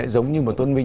giống như một tuân minh